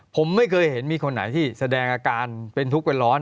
ผมไม่เคยเห็นมีคนไหนที่แสดงอาการเป็นทุกข์เป็นร้อน